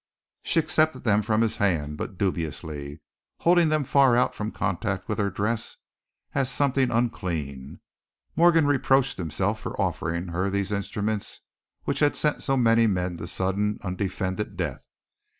She accepted them from his hand, but dubiously, holding them far out from contact with her dress as something unclean. Morgan reproached himself for offering her these instruments which had sent so many men to sudden, undefended death.